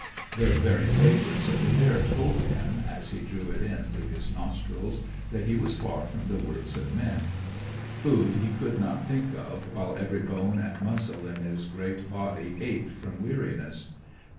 The very fragrance of the air told him, as he drew it in through his nostrils, that he was far from the works of men. Food he could not think of while every bone and muscle in his great body ached from weariness.